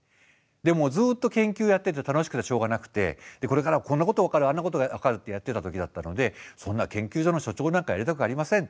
でもずっと研究やってて楽しくてしょうがなくてこれからこんなこと分かるあんなことが分かるってやってた時だったのでそんな研究所の所長なんかやりたくありません。